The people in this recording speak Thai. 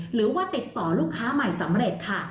หรือว่าติดต่อลูกค้าใหม่สำเร็จค่ะ